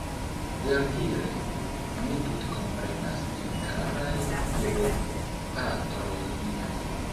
Verdire, mi tutkomprenas vin karaj gebopatroj miaj